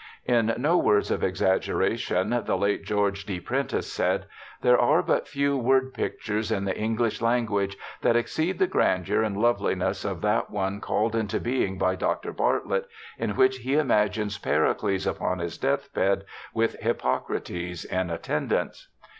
In no words of exaggeration the late George D. Prentice said, ' There are but few word pic tures in the English language that exceed the grandeur and loveliness of that one called into being by Dr. Bart lett, in which he imagines Pericles upon his death bed with Hippocrates in attendance.'